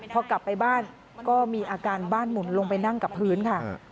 พอกลับไปบ้านก็มีอาการบ้านหมุนลงไปนั่งกับพื้นค่ะ